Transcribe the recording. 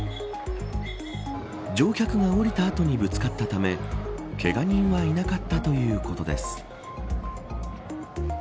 乗客が降りた後にぶつかったためけが人はいなかったということです。